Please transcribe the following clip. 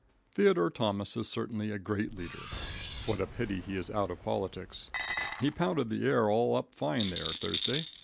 Theodore Thomas is certainly a great leader. What a pity he is out of politics. He pounded the air all up fine there, Thursday.